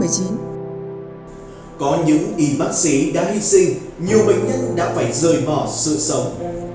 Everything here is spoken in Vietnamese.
có những y bác sĩ đã hy sinh nhiều bệnh nhân đã phải rời mỏ sự sống